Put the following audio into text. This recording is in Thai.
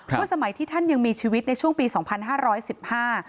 สมัยที่ท่านยังมีชีวิตในช่วงปีสองพันห้าร้อยสิบห้า